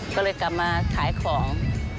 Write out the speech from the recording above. ก็เลยกลับมาขายของ